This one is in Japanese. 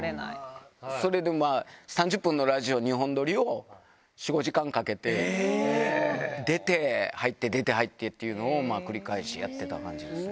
それでまあ、３０分のラジオ２本撮りを４、５時間かけて出て、入って、出て、入ってっていうのを繰り返しやってた感じですね。